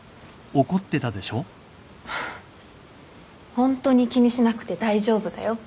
ホントに気にしなくて大丈夫だよ。